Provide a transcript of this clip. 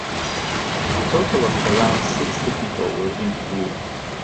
A total of around sixty people were interviewed.